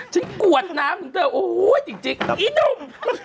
ฉันกวดน้ำโอ้โฮจริงอีหนุ่ม